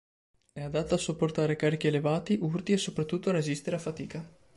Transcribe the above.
È adatto a sopportare carichi elevati, urti e soprattutto a resistere a fatica.